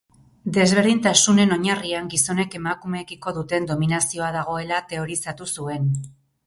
Desberdintasunen oinarrian gizonek emakumeekiko duten dominazioa dagoela teorizatu zuen.